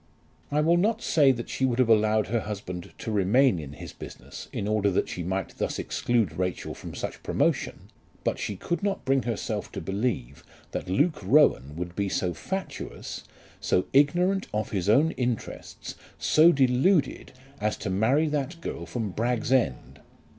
I will not say that she would have allowed her husband to remain in his business in order that she might thus exclude Rachel from such promotion, but she could not bring herself to believe that Luke Rowan would be so fatuous, so ignorant of his own interests, so deluded, as to marry that girl from Bragg's End!